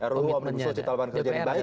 ru omnibusul cipta leparan kerja ini baik